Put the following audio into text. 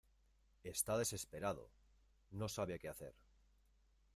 Está desesperado, no sabe qué hacer.